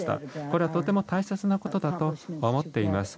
これはとても大切なことだと思っています。